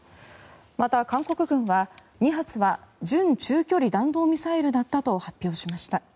また、韓国軍は２発は準中距離弾道ミサイルだったと発表しました。